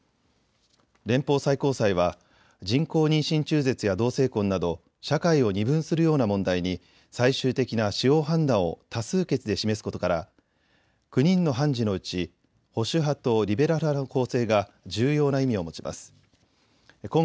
連邦最高裁は人工妊娠中絶や同性婚など社会を二分するような問題に最終的な司法判断を多数決で示すことから９人の判事のうち保守派とリベラル派の構成が重要な意味を持ちます。